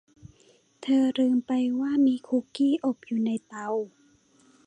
เธอลืมไปว่ามีคุกกี้อบอยู่ในเตา